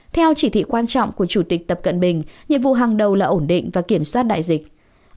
theo chỉ thị quan trọng của chủ tịch tập cận bình nhiệm vụ hàng đầu là ổn định và kiểm soát đại dịch